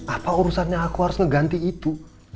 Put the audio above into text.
apa urusannya aku harus ngeganti itu